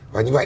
và như vậy